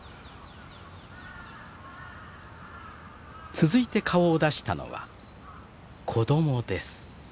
続いて顔を出したのは子供です。